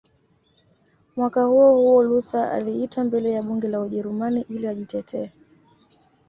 Mwaka huohuo Luther aliitwa mbele ya Bunge la Ujerumani ili ajitetee